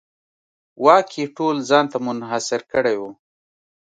واک یې ټول ځان ته منحصر کړی و.